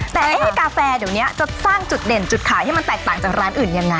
แต่กาแฟเดี๋ยวนี้จะสร้างจุดเด่นจุดขายให้มันแตกต่างจากร้านอื่นยังไง